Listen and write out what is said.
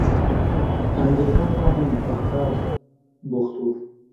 انګرېزان لا هم په ښکار بوخت وو.